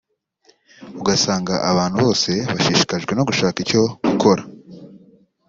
ugasanga abantu bose bashishikajwe no gushaka icyo gukora